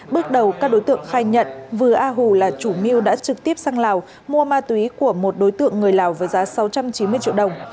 bước đầu các đối tượng khai nhận vừa a hù là chủ mưu đã trực tiếp sang lào mua ma túy của một đối tượng người lào với giá sáu trăm chín mươi triệu đồng